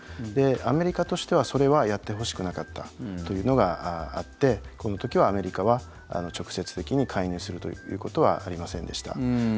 アメリカとしてはそれはやってほしくなかったというのがあってこの時はアメリカは直接的に介入するということはありませんでした。